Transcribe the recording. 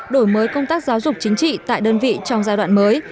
đổi mới công tác giáo dục chính trị tại đơn vị trong giai đoạn mới